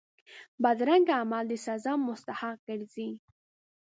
بدرنګه عمل د سزا مستحق ګرځي